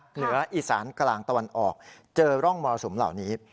เหนืออีสานกลางตะวันออกเจอร่องมรสุมเหล่านี้